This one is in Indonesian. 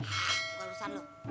hah ga urusan lu